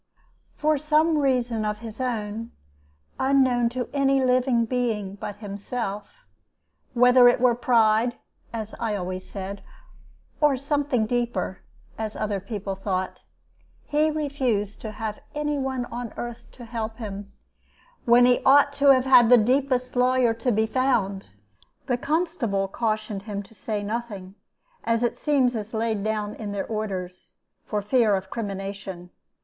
"For some reason of his own, unknown to any living being but himself, whether it were pride (as I always said) or something deeper (as other people thought), he refused to have any one on earth to help him, when he ought to have had the deepest lawyer to be found. The constable cautioned him to say nothing, as it seems is laid down in their orders, for fear of crimination.